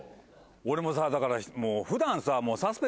俺もさだから普段。